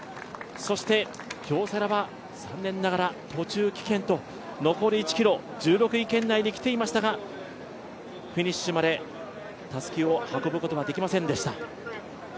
そして、京セラは残念ながら途中棄権と、残り１ｋｍ、１６位圏内にきていましたがフィニッシュまでたすきを運ぶことができませんでした。